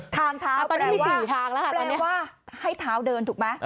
ทางเท้าแปลว่าให้เท้าเดินถูกไหม